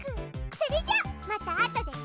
それじゃまたあとでね。